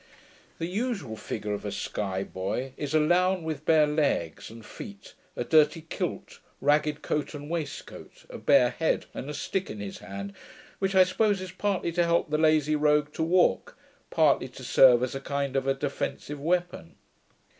The usual figure of a Sky boy, is a lown with bare legs and feet, a dirty kilt, ragged coat and waistcoat, a bare head, and a stick in his hand, which, I suppose, is partly to help the lazy rogue to walk, partly to serve as a kind of a defensive weapon.